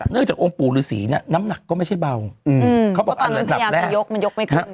เนื่องจากองค์ปู่ฤษีน้ำหนักก็ไม่ใช่เบาเพราะตอนนั้นพยายามจะยกมันยกไม่ขึ้น